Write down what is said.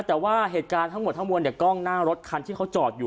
แต่ว่าเหตุการณ์ทั้งหมดทั้งมวลเนี่ยกล้องหน้ารถคันที่เขาจอดอยู่